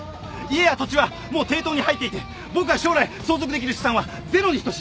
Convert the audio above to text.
家や土地はもう抵当に入っていて僕が将来相続できる資産はゼロに等しい。